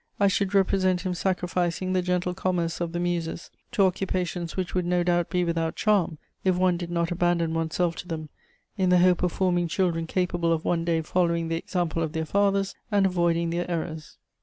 I should represent him sacrificing the gentle commerce of the Muses to occupations which would no doubt be without charm, if one did not abandon one's self to them in the hope of forming children capable of one day following the example of their fathers and avoiding their errors.